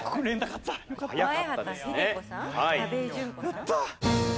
やったー！